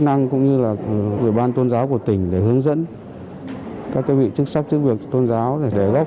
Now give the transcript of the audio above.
năng cũng như là ủy ban tôn giáo của tỉnh để hướng dẫn các vị chức sát chức việc tôn giáo để góp